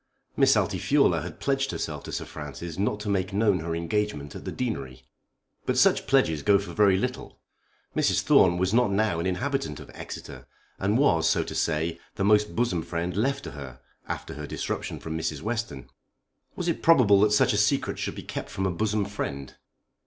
Miss Altifiorla had pledged herself to Sir Francis not to make known her engagement at the Deanery. But such pledges go for very little. Mrs. Thorne was not now an inhabitant of Exeter, and was, so to say, the most bosom friend left to her, after her disruption from Mrs. Western. Was it probable that such a secret should be kept from a bosom friend?